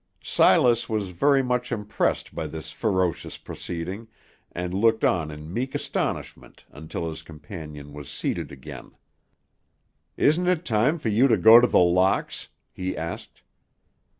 Silas was very much impressed by this ferocious proceeding, and looked on in meek astonishment until his companion was seated again. "Isn't it time for you to go to The Locks?" he asked.